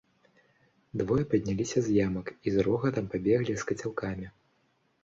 Двое падняліся з ямак і з рогатам пабеглі з кацялкамі.